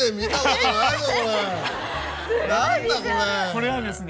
これはですね